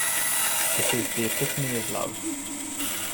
It is the epitome of love.